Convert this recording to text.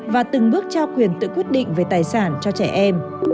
và từng bước trao quyền tự quyết định về tài sản cho trẻ em